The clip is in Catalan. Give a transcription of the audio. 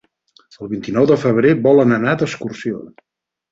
El vint-i-nou de febrer volen anar d'excursió.